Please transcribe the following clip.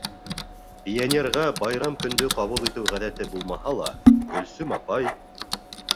Пионерға байрам көндө ҡабул итеү ғәҙәте булмаһа ла, Гөлсөм апай: